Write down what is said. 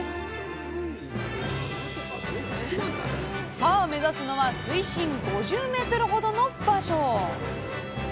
さあ目指すのは水深５０ｍほどの場所。